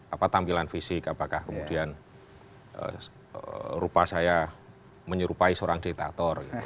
apa tampilan fisik apakah kemudian rupa saya menyerupai seorang diktator gitu